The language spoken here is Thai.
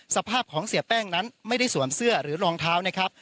สภาพของเสียแป้งนั้นไม่ได้สวมเสื้อหรือรองเท้านะครับ